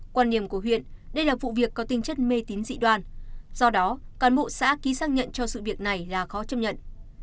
quan điểm của huyện đây là vụ việc có tinh chất mê tín dị đoan do đó cán bộ xã ký xác nhận cho sự việc này là khó chấp nhận